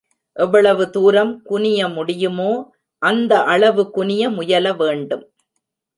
எவ்வளவு தூரம் குனிய முடியுமோ, அந்த அளவு குனிய முயல வேண்டும்.